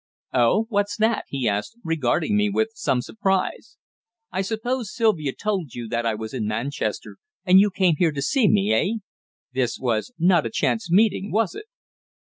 "Oh! What's that?" he asked, regarding me with some surprise. "I suppose Sylvia told you that I was in Manchester, and you came here to see me eh? This was not a chance meeting was it?"